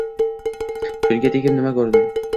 Shunga tegib, nima ko`rdim